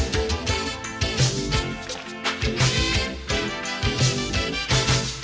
แล้วมีเพลงครับ